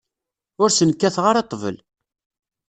Ur sen-kkateɣ ara ṭṭbel.